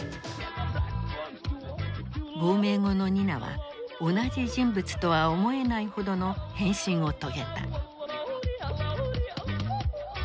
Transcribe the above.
亡命後のニナは同じ人物とは思えないほどの変身を遂げた。